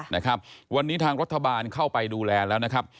นะครับวันนี้ทางรัฐบาลเข้าไปดูแลแล้วนะครับ